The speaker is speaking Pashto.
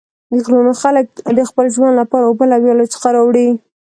د غرونو خلک د خپل ژوند لپاره اوبه له ویالو څخه راوړي.